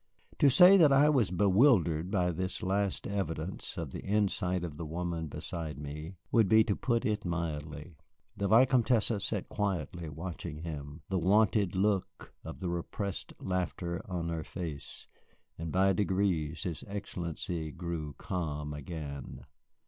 To say that I was bewildered by this last evidence of the insight of the woman beside me would be to put it mildly. The Vicomtesse sat quietly watching him, the wonted look of repressed laughter on her face, and by degrees his Excellency grew calm again.